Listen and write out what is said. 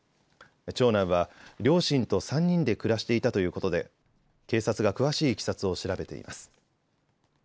長男は両親と３人で暮らしていたということで警察が詳しいいきさつを調べています。